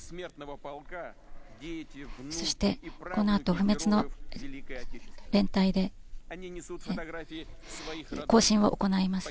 そして、このあと不滅の連帯で、行進を行います。